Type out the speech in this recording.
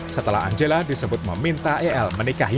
semoga warren mengijak submarineilling sama imprisoning t swanson